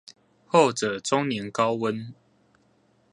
後者終年高溫